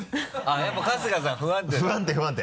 やっぱ春日さん不安定だった？